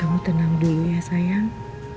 kamu tenang dulu ya sayang